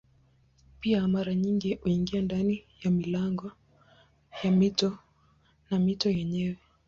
Pia mara nyingi huingia ndani ya milango ya mito na mito yenyewe.